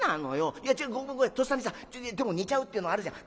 「いや違うとっさにさでも似ちゃうっていうのあるじゃん。